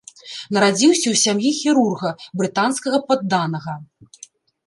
Нарадзіўся ў сям'і хірурга, брытанскага падданага.